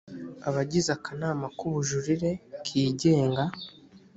abagize akanama k’ubujurire kigenga